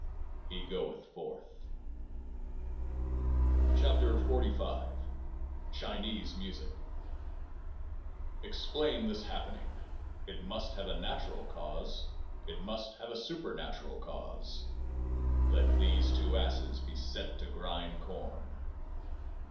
He goeth forth. 57 KEOAAH ME CHINESE MUSIC " Explain this happening !"" It must have a ' natural ' cause.' | Let " It must have a ' supernatural ' cause." these two asses be set to grind corn.